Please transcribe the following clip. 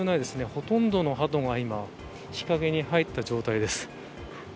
ほとんどのハトが今日陰に入った状態です。